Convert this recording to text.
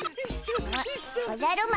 ん？おじゃる丸？